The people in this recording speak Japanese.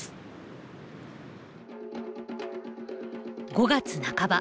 ５月半ば。